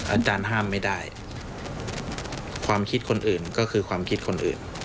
อาจารย์ห้ามไม่ได้ความคิดคนอื่นก็คือความคิดคนอื่น